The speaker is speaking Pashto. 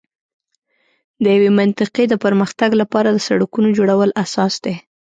د یوې منطقې د پر مختګ لپاره د سړکونو جوړول اساس دی.